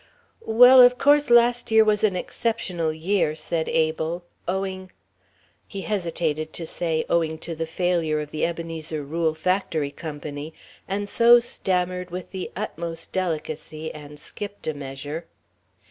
"Well, of course last year was an exceptional year," said Abel, "owing " He hesitated to say "owing to the failure of the Ebenezer Rule Factory Company," and so stammered with the utmost delicacy, and skipped a measure.